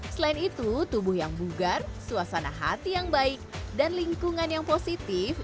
selain itu tubuh yang bugar suasana hati yang baik dan lingkungan yang positif